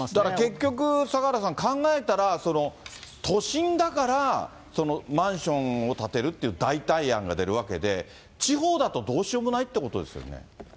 結局、坂原さん、考えたら、都心だからマンションを建てるって代替案が出るわけで、地方だと、どうしようもないっていうことですよね。